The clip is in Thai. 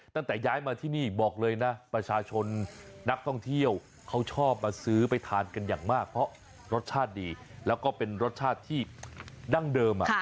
ตั้งแต่ย้ายมาที่นี่บอกเลยนะประชาชนนักท่องเที่ยวเขาชอบมาซื้อไปทานกันอย่างมากเพราะรสชาติดีแล้วก็เป็นรสชาติที่ดั้งเดิม